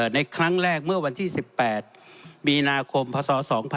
ในครั้งแรกเมื่อวันที่๑๘มีนาคมพศ๒๕๖๒